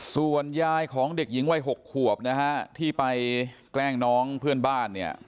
ส่วนยายของเด็กหญิงวัย๖ขวบนะฮะที่ไปแกล้งน้องเพื่อนบ้านเนี่ย